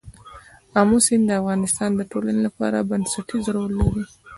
آمو سیند د افغانستان د ټولنې لپاره بنسټيز رول لري.